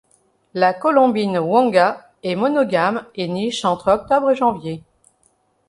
La Colombine wonga est monogame et niche entre octobre et janvier.